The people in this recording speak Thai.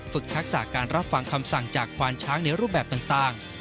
ทักษะการรับฟังคำสั่งจากควานช้างในรูปแบบต่าง